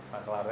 tak kelar ya